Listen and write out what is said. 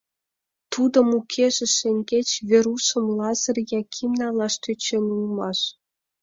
Тудын укеже шеҥгеч Верушым Лазыр Яким налаш тӧчен улмаш.